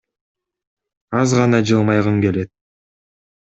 Аз гана жылмайгың келет.